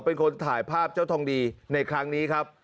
เป็นคนถ่ายภาพเจ้าทองดีในครั้งนี้ครับ